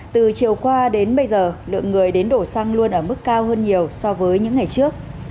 từ chiều qua đến bây giờ lượng người đến đổ xăng luôn ở mức cao hơn nhiều so với những ngày trước